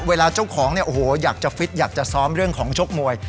เวลาเจ้าของเนี่ยโอ้โหอยากจะฟิตอยากจะซ้อมเรื่องของชกมวย